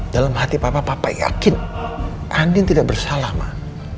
dalam hati papa yakin andin tidak bersalah mah